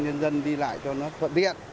nhân dân đi lại cho nó thuận tiện